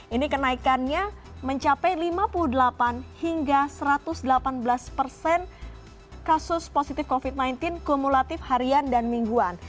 ini kenaikannya mencapai lima puluh delapan hingga satu ratus delapan belas persen kasus positif covid sembilan belas kumulatif harian dan mingguan